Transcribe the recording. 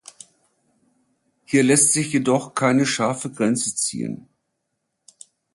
Hier lässt sich jedoch keine scharfe Grenze ziehen.